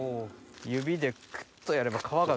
指でクッとやれば皮が。